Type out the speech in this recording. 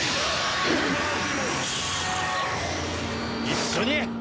一緒に。